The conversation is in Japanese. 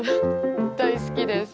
大好きです。